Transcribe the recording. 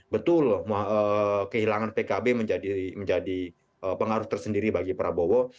betul kehilangan pkb menjadi pengaruh tersendiri bagi prabowo